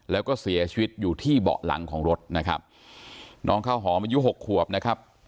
แล้วก็เสียชีวิตอยู่ที่เบาะหลังของรถนะครับน้องข้าวหอมอายุหกขวบนะครับ